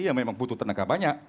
yang memang butuh tenaga banyak